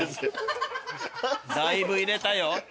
だいぶ入れたよ。